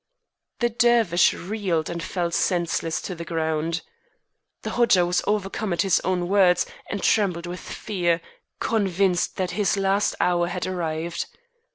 The Dervish reeled and fell senseless to the ground. The Hodja was overcome at his own words and trembled with fear, convinced that his last hour had arrived.